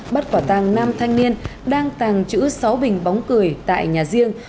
bắt quả tàng năm thanh niên đang tàng trữ sáu bình bóng cười tại nhà riêng